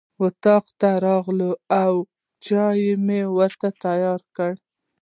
اطاق ته راغلو او چای مو تیار کړ.